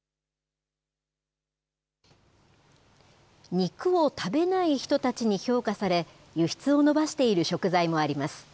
肉を食べない人たちに評価され、輸出を伸ばしている食材もあります。